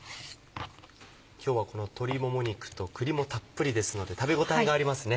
今日はこの鶏もも肉と栗もたっぷりですので食べ応えがありますね。